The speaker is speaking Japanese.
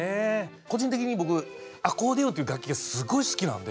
個人的に僕アコーディオンという楽器がすごい好きなんで。